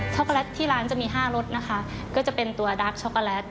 ็อกโกแลตที่ร้านจะมี๕รสนะคะก็จะเป็นตัวดักช็อกโกแลต